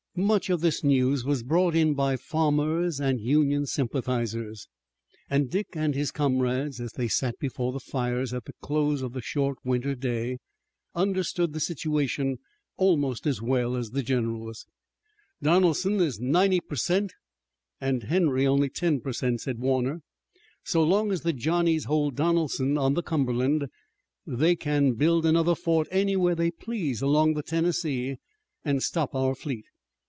Much of this news was brought in by farmers, Union sympathizers, and Dick and his comrades, as they sat before the fires at the close of the short winter day, understood the situation almost as well as the generals. "Donelson is ninety per cent and Henry only ten per cent," said Warner. "So long as the Johnnies hold Donelson on the Cumberland, they can build another fort anywhere they please along the Tennessee, and stop our fleet.